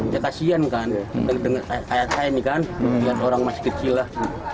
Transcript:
ya kasian kan dengan kayak saya ini kan dengan orang masih kecil lah